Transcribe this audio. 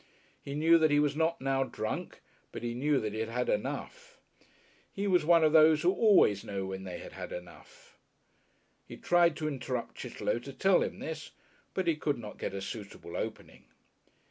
He knew that he was not now drunk, but he knew that he had had enough. He was one of those who always know when they have had enough. He tried to interrupt Chitterlow to tell him this, but he could not get a suitable opening.